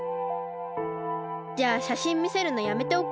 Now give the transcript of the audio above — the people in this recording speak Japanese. じゃあしゃしんみせるのやめておく？